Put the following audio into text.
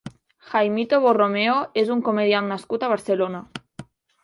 Jaimito Borromeo és un comediant nascut a Barcelona.